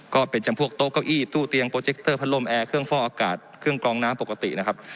ก็เป็นจำพวกโต๊ะเก้าอี้ตู้เตียงโปรเจคเตอร์พัดลมแอร์เครื่องฟ่ออากาศเครื่องกรองน้ำปกตินะครับ